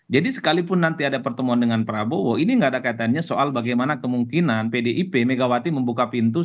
jadi sekalipun nanti ada pertemuan dengan prabowo ini tidak ada kaitannya soal bagaimana kemungkinan pdip megawati membuka pintu